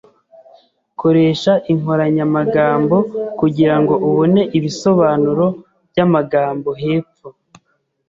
Koresha inkoranyamagambo kugirango ubone ibisobanuro byamagambo hepfo\